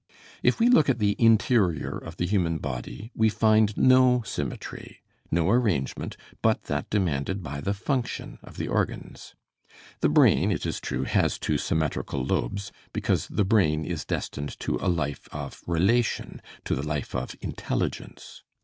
If we look at the interior of the human body we find no symmetry, no arrangement but that demanded by the function of the organs. The brain, it is true, has two symmetrical lobes, because the brain is destined to a life of relation, to the life of intelligence.